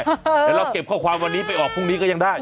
เดี๋ยวเราเก็บข้อความวันนี้ไปออกพรุ่งนี้ก็ยังได้